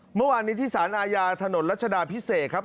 เมื่อวานนี้ที่สารอาญาถนนรัชดาพิเศษครับ